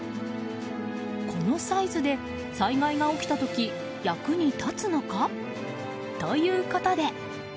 このサイズで災害が起きた時役に立つのか？ということで。